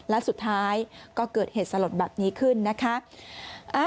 และสุดท้ายก็เกิดเหตุสลดแบบนี้ขึ้นนะคะ